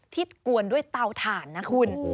กวนด้วยเตาถ่านนะคุณ